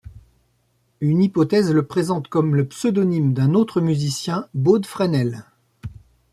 Une hypothèse le présente comme le pseudonyme d'un autre musicien Baude Fresnel.